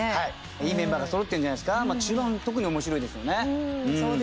いいメンバーがそろっているんじゃないですか中盤、特におもしろいですよね。